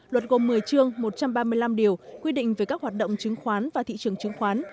luật gồm một mươi chương một trăm ba mươi năm điều quy định về các hoạt động chứng khoán và thị trường chứng khoán